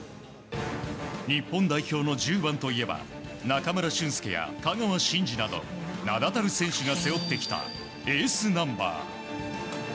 日本代表の１０番といえば中村俊輔や香川真司など名だたる選手が背負ってきたエースナンバー。